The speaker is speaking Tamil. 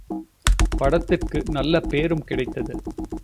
படத்திற்கு நல்ல பேரும் கிடைத்தது.